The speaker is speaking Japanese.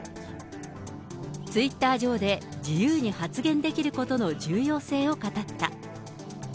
ツイッター上で自由に発言できることの重要性を語った。